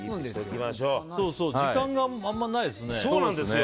時間があんまりないですよね。